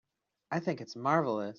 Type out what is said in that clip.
I think it's marvelous.